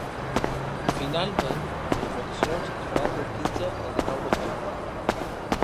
Finalment, les votacions es faran del quinze al dinou d’octubre.